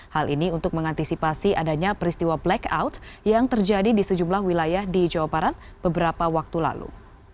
hal ini untuk mengantisipasi adanya peristiwa blackout yang terjadi di sejumlah wilayah di jawa barat beberapa waktu lalu